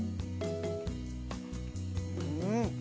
うん。